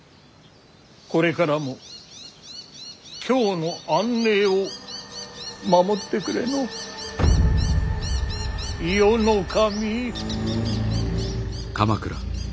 これからも京の安寧を守ってくれの伊予守。